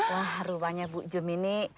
wah rupanya bu jum ini